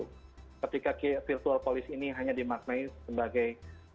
jadi ketika virtual polisi ini hanya dimaknai sebagai